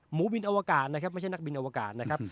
บินอวกาศนะครับไม่ใช่นักบินอวกาศนะครับ